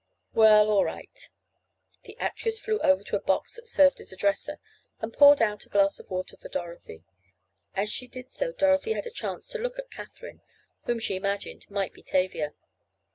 "Well, all right." The actress flew over to a box that served as a dresser and poured out a glass of water for Dorothy. As she did so Dorothy had a chance to look at Katherine, whom she imagined might be Tavia.